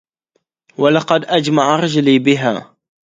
ولقد أجمع رجلي بها